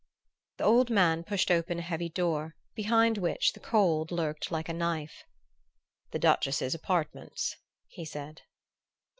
The old man pushed open a heavy door, behind which the cold lurked like a knife. "The Duchess's apartments," he said.